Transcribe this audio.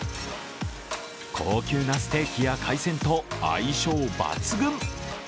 高級なステーキや海鮮と相性抜群。